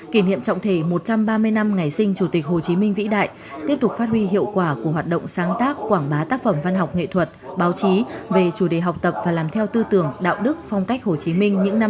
kỷ niệm trọng thể một trăm ba mươi năm ngày sinh chủ tịch hồ chí minh vĩ đại tiếp tục phát huy hiệu quả của hoạt động sáng tác quảng bá tác phẩm văn học nghệ thuật báo chí về chủ đề học tập và làm theo tư tưởng đạo đức phong cách hồ chí minh những năm hai nghìn hai mươi